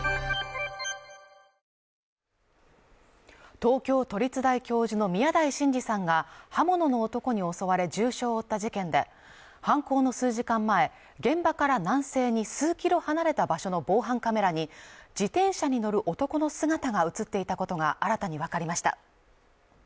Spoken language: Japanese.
東京都立大教授の宮台真司さんが刃物の男に襲われ重傷を負った事件で犯行の数時間前現場から南西に数キロ離れた場所の防犯カメラに自転車に乗る男の姿が映っていたことが新たに分かりました